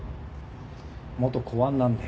元公安なんで。